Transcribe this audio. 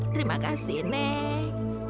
terima kasih nek